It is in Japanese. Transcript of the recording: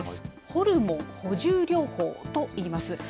ホルモン補充療法といいます。